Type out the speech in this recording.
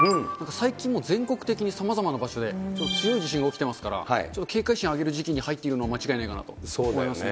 最近、もう全国的にさまざまな場所で強い地震が起きてますから、ちょっと警戒心上げる時期に入ってるのは間違いないかなと思いますね。